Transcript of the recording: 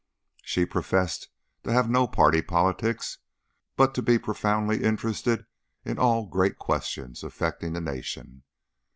She professed to have no party politics, but to be profoundly interested in all great questions affecting the nation.